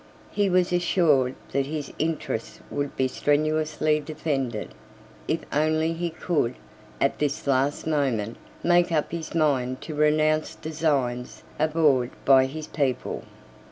He was assured that his interests would be strenuously defended, if only he could, at this last moment, make up his mind to renounce designs abhorred by his people.